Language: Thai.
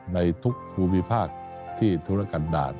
ในทุกภูมิภาคที่ธุรกันดาบ